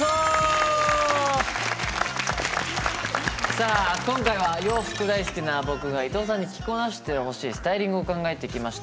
さあ今回は洋服大好きな僕が伊藤さんに着こなしてほしいスタイリングを考えてきました。